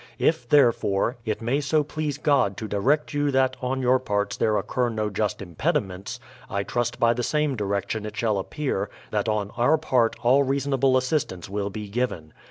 If, there fore, it may so please God to direct you that on your parts there occur no just impediments, I trust by the same direction it shall appear, that on our part all reasonable assistance will be given.